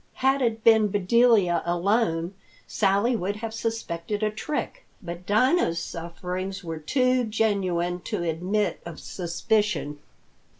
Had it been Bedelia alone, Sally would have suspected a trick, but Dinah's sufferings were too genuine to admit of suspicion.